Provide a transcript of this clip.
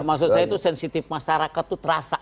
maksud saya itu sensitif masyarakat itu terasa